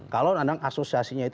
kalau orang orang asosiasinya itu